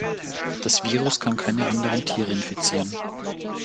Das Virus kann keine anderen Tiere infizieren.